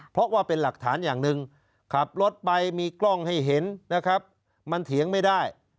เพราะว่าเป็นหลักฐานอย่างหนึ่งขับรถไปมีกล้องให้เห็นนะครับมันเถียงไม่ได้